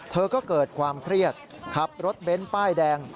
เธอก็เกิดความเครียดขับรถเบ้นป้ายแดง